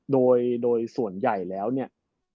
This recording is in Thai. โดยส่วนใหญ่แล้วเนี่ย